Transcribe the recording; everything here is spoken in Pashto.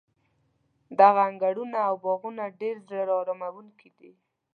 دغه انګړونه او باغونه ډېر زړه اراموونکي دي.